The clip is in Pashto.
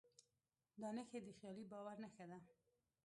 دا نښې د خیالي باور نښه ده.